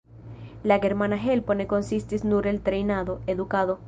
La germana helpo ne konsistis nur el trejnado, edukado.